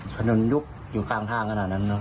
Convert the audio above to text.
ผนุนยุบอยู่ข้างทางขนาดนั้นนะครับ